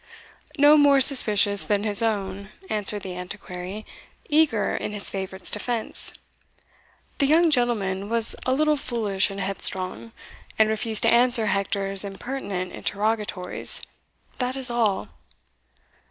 "No more suspicious than his own," answered the Antiquary, eager in his favourites defence; "the young gentleman was a little foolish and headstrong, and refused to answer Hector's impertinent interrogatories that is all.